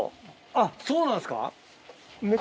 あっそうなんですか。